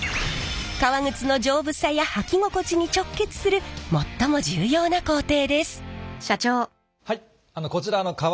革靴の丈夫さや履き心地に直結する最も重要な工程です。